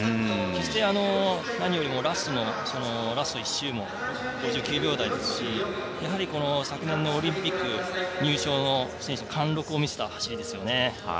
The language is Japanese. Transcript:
そして、何よりもラスト１周も５９秒台ですしやはり、昨年のオリンピック入賞の選手の貫禄を見せた走りですよね。